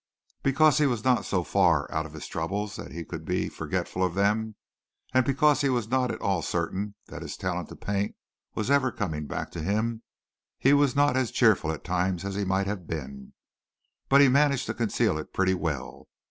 Because he was not so far out of his troubles that he could be forgetful of them, and because he was not at all certain that his talent to paint was ever coming back to him, he was not as cheerful at times as he might have been; but he managed to conceal it pretty well.